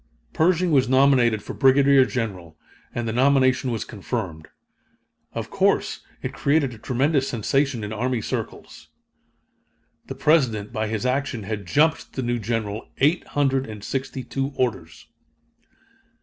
Pershing was nominated for Brigadier General, and the nomination was confirmed. Of course it created a tremendous sensation in army circles. The President, by his action, had "jumped" the new General eight hundred and sixty two orders.